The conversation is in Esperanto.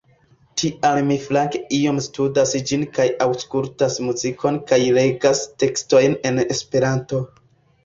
Tial mi flanke iom studas ĝin kaj aŭskultas muzikon kaj legas tekstojn en Esperanto.